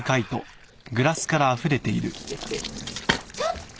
ちょっと！